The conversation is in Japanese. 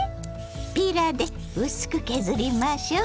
ピーラーで薄く削りましょう。